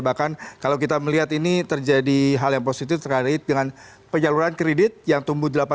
bahkan kalau kita melihat ini terjadi hal yang positif terkait dengan penyaluran kredit yang tumbuh